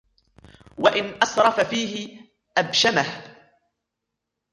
وَإِنْ أَسْرَفَ فِيهِ أَبْشَمَهُ